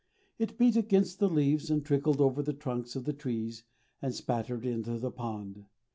It beat against the leaves and trickled over the trunks of the trees and spattered into the pond.